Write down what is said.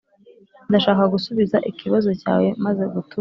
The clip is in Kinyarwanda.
Ndashaka gusubiza ikibazo cyawe maze gutuza